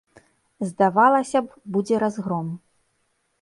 Здавалася б, будзе разгром.